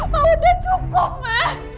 ma udah cukup ma